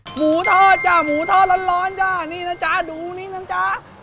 หมูทอดจ้ะหมูทอดร้อนจ้ะนี่นะจ๊ะดูนี่นะจ๊ะ